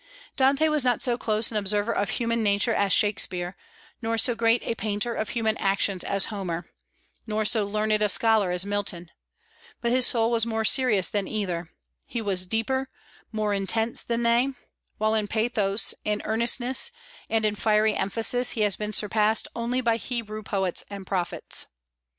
Dante was not so close an observer of human nature as Shakspeare, nor so great a painter of human actions as Homer, nor so learned a scholar as Milton; but his soul was more serious than either, he was deeper, more intense than they; while in pathos, in earnestness, and in fiery emphasis he has been surpassed only by Hebrew poets and prophets.